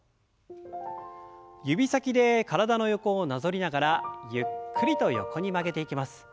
指先で体の横をなぞりながらゆっくりと横に曲げていきます。